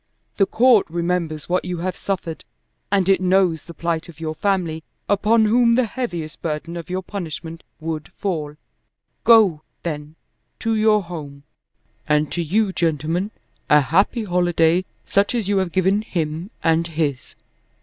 The Court remembers what you have suffered and it knows the plight of your family, upon whom the heaviest burden of your punishment would fall. Go, then, to your home. And to you, gentlemen, a happy holiday such as you have given him and his!